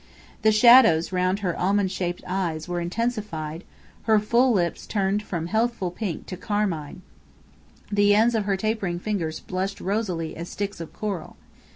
The shadows round her almond shaped eyes were intensified: her full lips turned from healthful pink to carmine. The ends of her tapering fingers blushed rosily as sticks of coral.